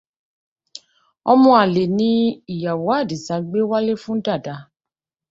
Ọmọ àlè ni ìyàwó Àdìsá gbé wálé fún Dàda.